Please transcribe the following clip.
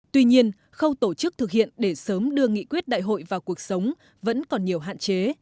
tuy nhiên khâu tổ chức thực hiện để sớm đưa nghị quyết đại hội vào cuộc sống vẫn còn nhiều hạn chế